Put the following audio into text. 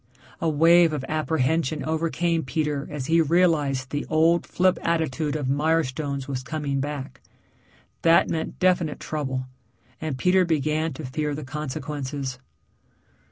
A wave of apprehension overcame Peter as he realized the old flip attitude of Mirestone's was coming back. That meant definite trouble, and Peter began to fear the consequences.